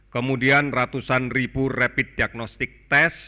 kemudian ratusan ribu rapid diagnostic test